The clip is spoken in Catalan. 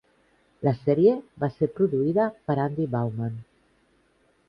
La sèrie va ser produïda per Andy Bauman.